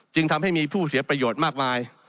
จึงทำให้มีผู้เสียประโยชน์มากมาย